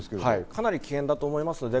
かなり危険だと思います。